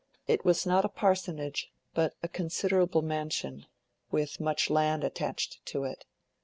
It was not a parsonage, but a considerable mansion, with much land attached to it.